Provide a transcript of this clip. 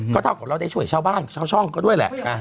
ก็เท่ากับเราได้ช่วยชาวบ้านชาวช่องก็ด้วยแหละ